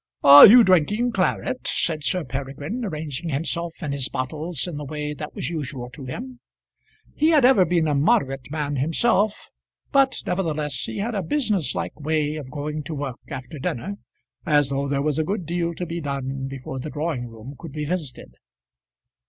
] "Are you drinking claret?" said Sir Peregrine, arranging himself and his bottles in the way that was usual to him. He had ever been a moderate man himself, but nevertheless he had a business like way of going to work after dinner, as though there was a good deal to be done before the drawing room could be visited.